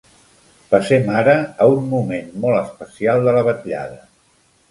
Passem ara a un moment molt especial de la vetllada.